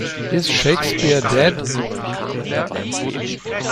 Is Shakespeare dead?